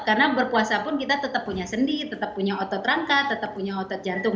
karena berpuasa pun kita tetap punya sendi tetap punya otot rangka tetap punya otot jantung